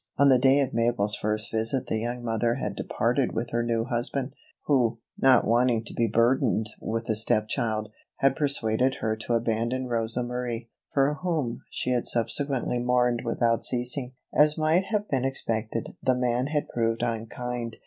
On the day of Mabel's first visit the young mother had departed with her new husband, who, not wanting to be burdened with a step child, had persuaded her to abandon Rosa Marie, for whom she had subsequently mourned without ceasing. As might have been expected, the man had proved unkind.